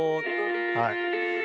はい。